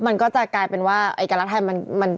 มันก็จะกลายเป็นว่าเอกลักษณ์ไทย